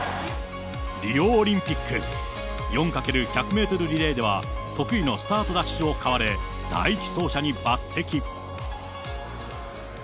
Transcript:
リオオリンピック、４×１００メートルリレーでは、得意のスタートダッシュを買われ、第１走者に抜てき。